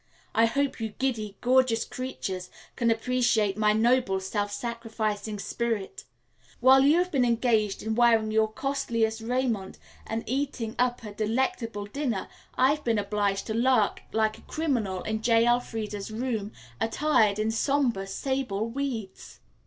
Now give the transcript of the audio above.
I hope you giddy, gorgeous creatures can appreciate my noble, self sacrificing spirit. While you have been engaged in wearing your costliest raiment and eating up a delectable dinner, I've been obliged to lurk like a criminal in J. Elfreda's room, attired in somber, sable weeds."